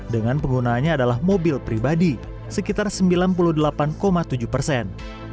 dengan penggunaannya adalah mobil pribadi sekitar sembilan puluh delapan tujuh persen